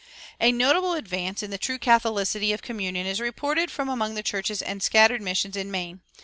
A notable advance in true catholicity of communion is reported from among the churches and scattered missions in Maine.